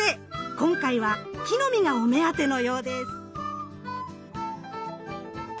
今回は木の実がお目当てのようです。